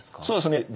そうですね。